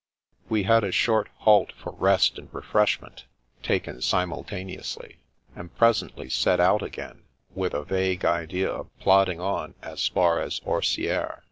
We had a short halt for rest and refreshment, taken simultaneously, and presently set out again, with a vague idea of plodding on as far as Orsieres.